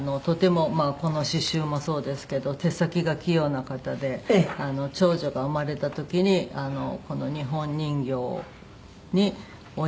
とてもまあこの刺繍もそうですけど手先が器用な方で長女が生まれた時にこの日本人形に着物を。